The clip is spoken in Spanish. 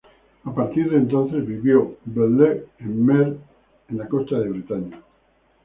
A partir de entonces, vivió Belle-Ile en mer en la costa de Bretaña.